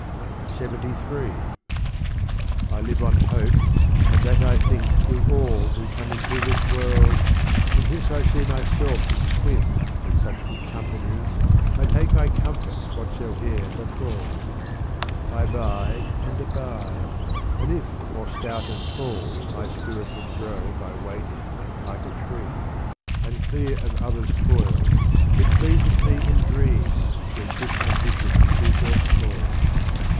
LXXIII I LIVE on hope and that I think do all Who come into this world, and since I see Myself in swim with such good company I take my comfort whatsoe'er befall. I abide and abide, as if more stout and tall My spirit would grow by waiting like a tree : And clear of others' toil it pleaseth me In dreams their quick ambition to forestall.